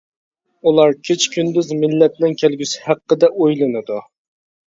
ئۇلار كېچە-كۈندۈز مىللەتنىڭ كەلگۈسى ھەققىدە ئويلىنىدۇ.